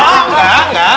oh engga engga